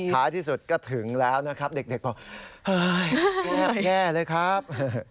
หาที่สุดก็ถึงแล้วนะครับเด็กบอกแย่เลยครับ